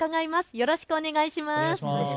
よろしくお願いします。